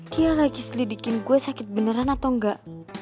kia lagi selidikin gue sakit beneran atau enggak